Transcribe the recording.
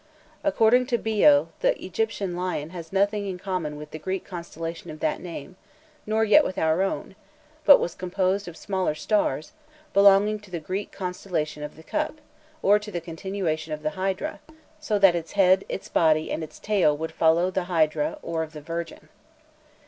According to Biot the Egyptian Lion has nothing in common with the Greek constellation of that name, nor yet with our own, but was composed of smaller stars, belonging to the Greek constellation of the Cup or to the continuation of the Hydra, so that its head, its body, and its tail would follow the [] of the Hydra, between the [] and [] of that constellation, or the [] of the Virgin.